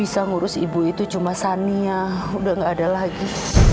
terus ibu itu cuma saniah udah gak ada lagi